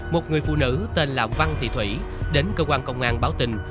một người phụ nữ tên là văn thị thủy đến cơ quan công an báo tình